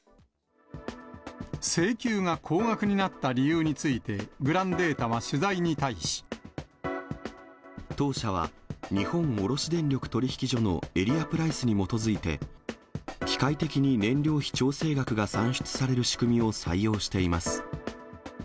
請求が高額になった理由について、当社は、日本卸電力取引所のエリアプライスに基づいて、機械的に燃料費調整額が算出される仕組みを採用しています。